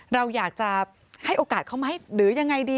เราอยากจะให้โอกาสเขาไหมหรือยังไงดี